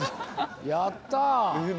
やった！え？